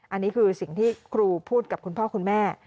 อันนี้คือสิ่งที่ครูพูดกับคุณพ่อคุณแม่